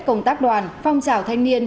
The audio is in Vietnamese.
công tác đoàn phong trào thanh niên